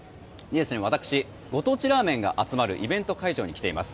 私、ご当地ラーメンが集まるイベント会場に来ています。